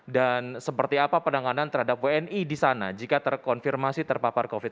dan seperti apa penanganan terhadap wni di sana jika terkonfirmasi terpapar covid sembilan belas